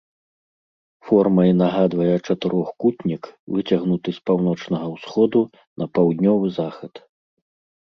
Формай нагадвае чатырохкутнік, выцягнуты з паўночнага ўсходу на паўднёвы захад.